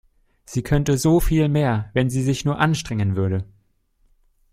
Sie könnte so viel mehr, wenn sie sich nur anstrengen würde.